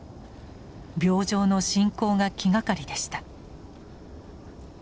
病状の進行が気がかりでした。